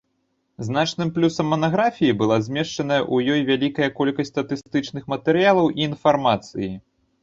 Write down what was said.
Значным плюсам манаграфіі была змешчаная ў ёй вялікая колькасць статыстычных матэрыялаў і інфармацыі.